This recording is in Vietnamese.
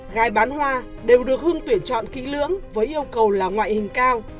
gái bán hoa đều được hưng tuyển chọn kỹ lưỡng với yêu cầu là ngoại hình cao